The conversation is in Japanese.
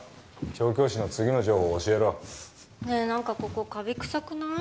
調教師の次の情報教えろねえ何かここカビ臭くない？